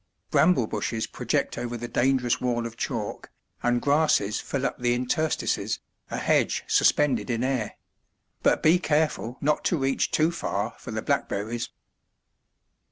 Bramble bushes project over the dangerous wall of chalk, and grasses fill up the interstices, a hedge suspended in air; but be careful not to reach too far for the blackberries.